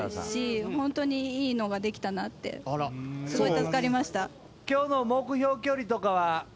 すごい助かりました。